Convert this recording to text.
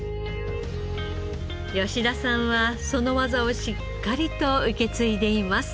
吉田さんはその技をしっかりと受け継いでいます。